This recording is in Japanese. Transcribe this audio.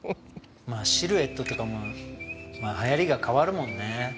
まあシルエットとかもはやりが変わるもんね